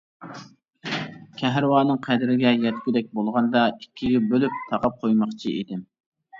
كەھرىۋانىڭ قەدرىگە يەتكۈدەك بولغاندا ئىككىگە بۆلۈپ تاقاپ قويماقچى ئىدىم.